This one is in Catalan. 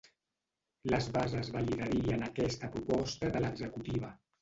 Les bases validarien aquesta proposta de l’executiva.